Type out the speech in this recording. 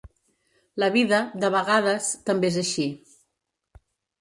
La vida, de vegades, també és així.